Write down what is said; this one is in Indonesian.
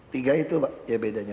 tiga itu ya bedanya